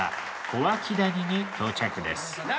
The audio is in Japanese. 小涌谷に到着です。